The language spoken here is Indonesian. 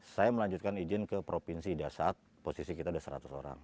saya melanjutkan izin ke provinsi dasar posisi kita sudah seratus orang